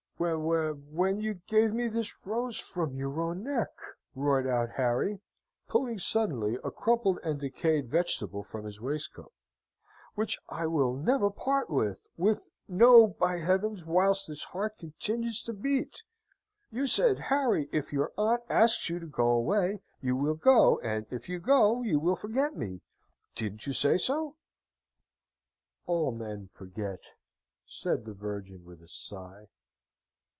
"Whe whe when you gave me this rose from your own neck," roared out Harry, pulling suddenly a crumpled and decayed vegetable from his waistcoat "which I will never part with with, no, by heavens, whilst this heart continues to beat! You said, 'Harry, if your aunt asks you to go away, you will go, and if you go, you will forget me.' Didn't you say so?" "All men forget!" said the Virgin, with a sigh.